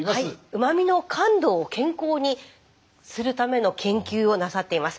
うま味の感度を健康にするための研究をなさっています